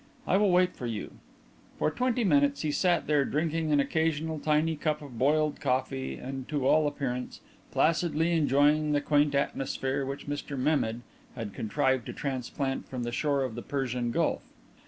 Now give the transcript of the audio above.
"I will wait for you." For twenty minutes he sat there, drinking an occasional tiny cup of boiled coffee and to all appearance placidly enjoying the quaint atmosphere which Mr Mehmed had contrived to transplant from the shore of the Persian Gulf.